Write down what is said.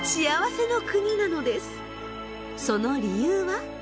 その理由は？